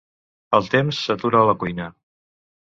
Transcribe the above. El temps s'atura a la cuina.